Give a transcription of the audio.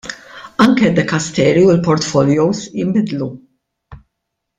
Anke d-dekasteri u l-portfolios jinbidlu.